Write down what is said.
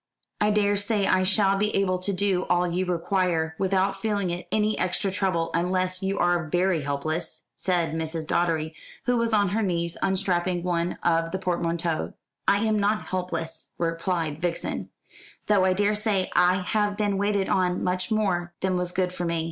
"I daresay I shall be able to do all you require, without feeling it any extra trouble, unless you are very helpless," said Mrs. Doddery, who was on her knees unstrapping one of the portmanteaux. "I am not helpless," replied Vixen, "though I daresay I have been waited on much more than was good for me."